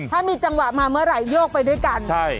ถ้ามีจังหวะมาเมื่อไหร่โยกไปด้วยกัน